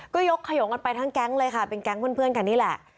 ก็ยกขยงกันไปทั้งแก๊งเลยค่ะเป็นแก๊งเพื่อนกันนี่แหละ